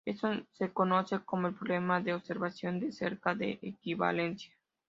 Esto se conoce como el problema de "observación de cerca de equivalencia".